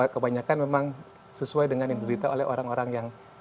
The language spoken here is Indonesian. kebanyakan memang sesuai dengan yang diberitakan orang orang yang